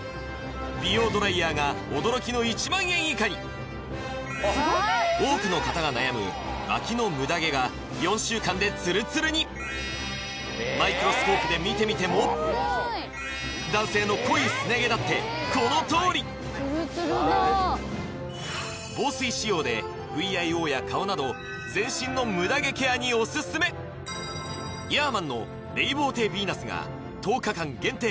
美容ドライヤーが驚きの１万円以下に多くの方が悩む脇のムダ毛が４週間でツルツルにマイクロスコープで見てみても男性の濃いすね毛だってこのとおりツルツルだ防水仕様でＶＩＯや顔など全身のムダ毛ケアにオススメヤーマンのレイボーテヴィーナスが１０日間限定